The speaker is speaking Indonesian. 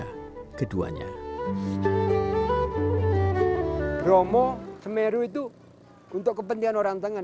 namun jika anda penilai keputusan untuk menunaikkan utama pada tenggar